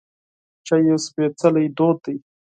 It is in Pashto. چای یو سپیڅلی دود دی.